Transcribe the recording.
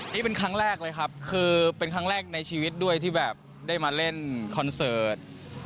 นี่เป็นครั้งแรกเลยครับคือเป็นครั้งแรกในชีวิตด้วยที่แบบได้มาเล่นคอนเสิร์ต